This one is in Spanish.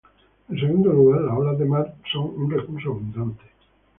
En segundo lugar, las olas de mar son un recurso abundante.